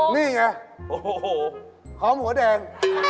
นี่ไงโอ้โหหอมหัวแดง